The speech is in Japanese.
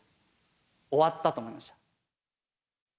終わったと思いました。